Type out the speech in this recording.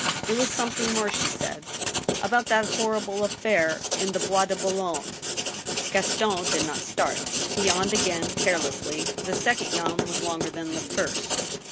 " It was something more," she said, " about that horrible affair in the Bois de Boulogne," Gaston did not start. He yawned again, carelessly. The second yawn was longer than the first.